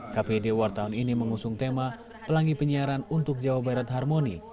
kpd war tahun ini mengusung tema pelangi penyiaran untuk jawa barat harmoni